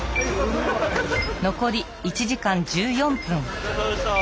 お疲れさまでした。